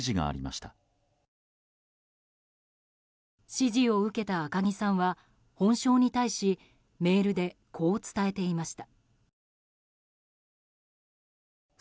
指示を受けた赤木さんは本省に対しメールで、こう伝えていました。